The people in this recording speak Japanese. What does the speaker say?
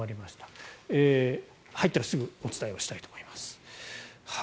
入ったらすぐお伝えしたいと思います。